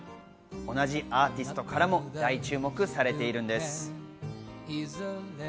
同じアーティストからも大注目されているんです。